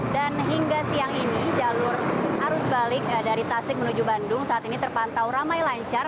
dan hingga siang ini jalur arus balik dari tasik menuju bandung saat ini terpantau ramai lancar